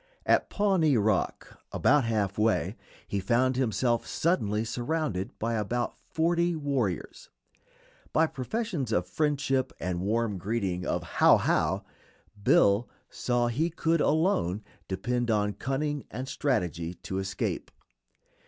At Pawnee Rock, about half way, he found himself suddenly surrounded by about forty warriors. By professions of friendship and warm greeting of "How, how!" Bill saw he could alone depend on cunning and strategy to escape.